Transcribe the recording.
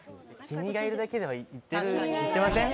「君がいるだけで」はいってません？